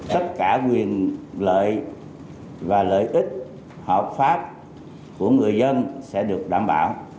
tất cả quyền lợi và lợi ích hợp pháp của người dân sẽ được đảm bảo